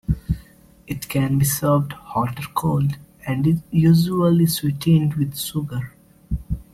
It can be served hot or cold, and is usually sweetened with sugar.